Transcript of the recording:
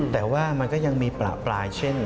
แต่ยังมีปร้าเช่น